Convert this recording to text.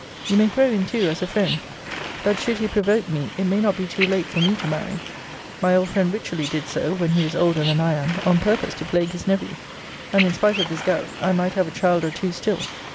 You may throw in, too, as a friend, that, should he provoke me, it may not be too late for me to marry. My old friend Wycherly did so, when he was older than I am, on purpose to plague his nephew: and, in spite of this gout, I might have a child or two still.